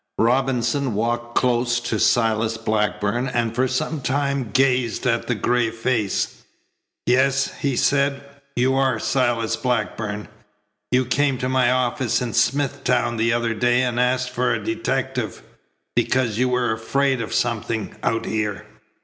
Robinson walked close to Silas Blackburn and for some time gazed at the gray face. "Yes," he said. "You are Silas Blackburn. You came to my office in Smithtown the other day and asked for a detective, because you were afraid of something out here."